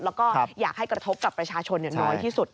แล้วก็อยากให้กระทบกับประชาชนน้อยที่สุด